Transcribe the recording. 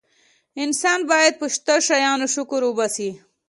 انسان باید په شته شیانو شکر وباسي.